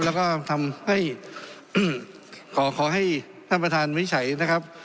แล้วก็ทำให้ขอขอให้ท่านประธานวินิจฉัยนะครับ